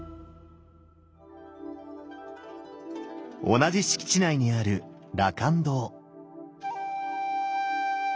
同じ敷地内にある羅漢堂。